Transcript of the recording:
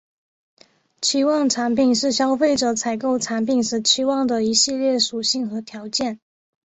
期望产品是消费者采购产品时期望的一系列属性和条件。